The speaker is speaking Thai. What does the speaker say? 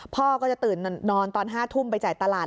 พ่อก็จะตื่นนอนตอน๕ทุ่มไปจ่ายตลาด